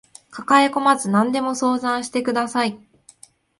抱えこまず何でも相談してください